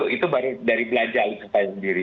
itu dari belajar kita sendiri